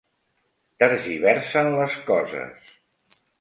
Tergiversen les coses